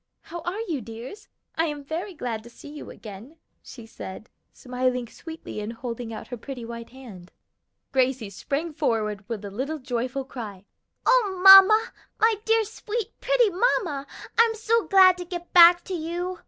"How are you, dears? I am very glad to see you again," she said, smiling sweetly and holding out her pretty white hand. Gracie sprang forward with a little joyful cry. "O mamma, my dear, sweet, pretty mamma! I am so glad to get back to you!"